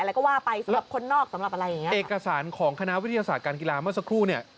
อะไรก็ว่าไปสำหรับคนนอกสำหรับอะไรเนี่ยเอกสารของคณะวิทยาศาสตร์การกีฬาลนี้